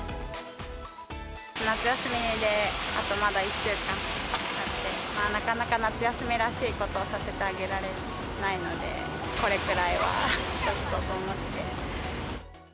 夏休みで、あとまだ１週間あって、なかなか夏休みらしいことをさせてあげられないので、これくらいはと思って。